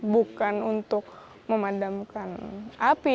bukan untuk memadamkan api